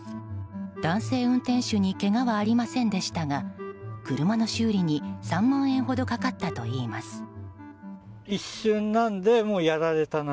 男性運転手にけがはありませんでしたが車の修理に３万円ほどかかったといいます。